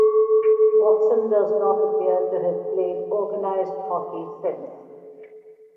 Watson does not appear to have played organized hockey since.